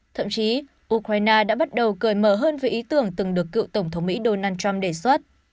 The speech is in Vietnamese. thậm chí ukraine đã bắt đầu cởi mở hơn về ý tưởng từng được cựu tổng thống mỹ donald trump đề xuất